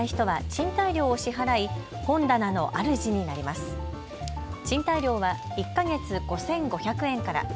賃貸料は１か月５５００円から。